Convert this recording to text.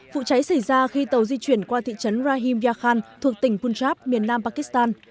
vụ cháy xảy ra khi tàu di chuyển qua thị trấn rahim vyakhan thuộc tỉnh punjab miền nam pakistan